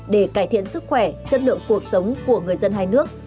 để cải thiện sức khỏe chất lượng cuộc sống của người dân hai nước